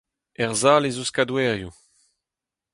Er sal ez eus kadorioù.